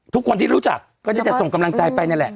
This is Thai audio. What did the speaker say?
ทุกคนที่รู้จักก็ได้แต่ส่งกำลังใจไปนั่นแหละ